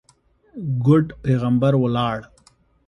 ګوډ پېغمبر ولاړ.